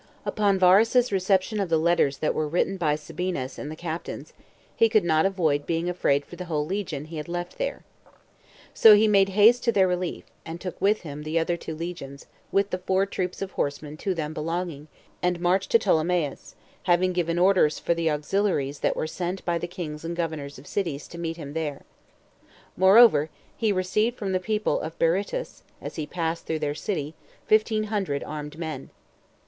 1. Upon Varus's reception of the letters that were written by Sabinus and the captains, he could not avoid being afraid for the whole legion [he had left there]. So he made haste to their relief, and took with him the other two legions, with the four troops of horsemen to them belonging, and marched to Ptolenlais; having given orders for the auxiliaries that were sent by the kings and governors of cities to meet him there. Moreover, he received from the people of Berytus, as he passed through their city, fifteen hundred armed men.